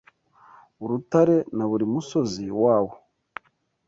Urutare na buri musozi wawo